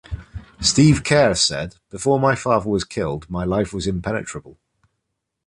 Steve Kerr said: Before my father was killed, my life was impenetrable.